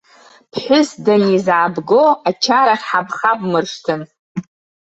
Ԥҳәыс данизаабго ачарахь ҳабхабмыршҭын.